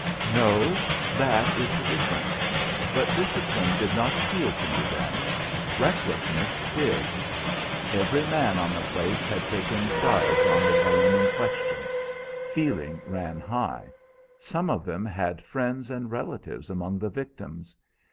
"No, that is the difference; but discipline did not appeal to me then; recklessness did. Every man on the place had taken sides on the Wyoming question; feeling ran high. Some of them had friends and relatives among the victims.